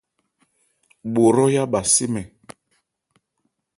Bho hrɔ́yá bha sé mɛn.